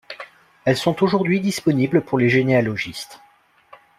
Elles sont aujourd'hui disponibles pour les généalogistes.